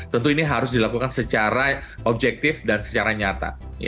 tentu ini harus dilakukan secara objektif dan secara nyata